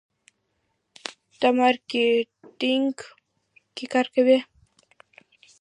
ته مارکیټینګ کې کار کوې.